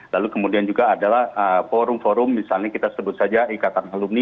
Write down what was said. lalu kemudian juga adalah forum forum misalnya kita sebut saja ikatan alumni